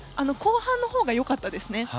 後半のほうがよかったですね。